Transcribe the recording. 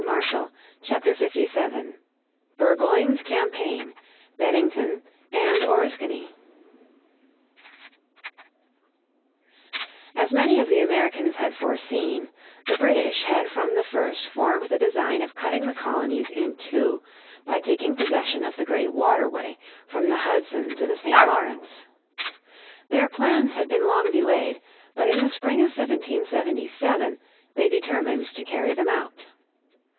__________ Chapter 57 Burgoyne's Campaign Bennington and Oriskany As many of the Americans had foreseen, the British had from the first formed the design of cutting the colonies in two by taking possession of the great waterway from the Hudson to the St. Lawrence. Their plans had been long delayed, but in the spring of 1777, they determined to carry them out.